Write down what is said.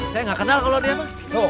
saya nggak kenal sama dia pak